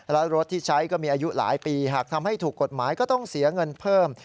และรถที่ใช้ก็มีอายุหลายปีหากทำให้ถูกกฎหมายก็ต้องเสียเงินเพิ่ม